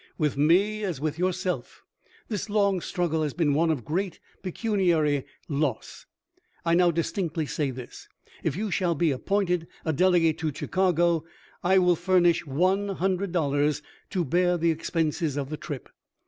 With me, as with yourself, this long struggle has been one of great pecuniary loss. I now distinctly say this : If you shall be appointed a delegate to Chicago I will furnish one hundred dollars to bear the expenses of the trip."